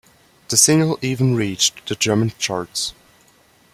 The Single even reached the German Charts.